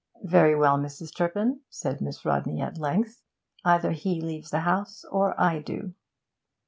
'Very well, Mrs. Turpin,' said Miss Rodney at length, 'either he leaves the house or I do.'